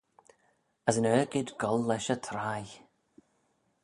As yn argid goll lesh y traie.